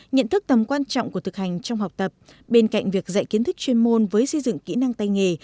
nhận thức tầm quan trọng của thực hành trong học tập bên cạnh việc dạy kiến thức chuyên môn với xây dựng kỹ năng tay nghề